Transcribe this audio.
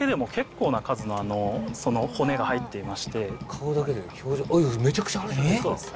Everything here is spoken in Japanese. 顔だけでめちゃくちゃあるじゃないですか。